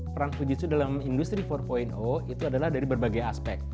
peran fujitsu dalam industri empat itu adalah dari berbagai aspek